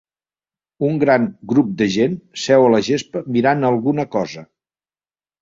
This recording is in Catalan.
Un gran grup de gent seu a la gespa mirant alguna cosa